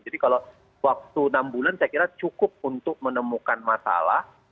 jadi kalau waktu enam bulan saya kira cukup untuk menemukan masalah